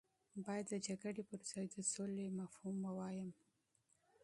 باید د جګړې پر ځای د سولې مفهوم ووایم.